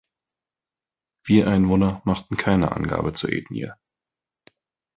Vier Einwohner machten keine Angaben zur Ethnie.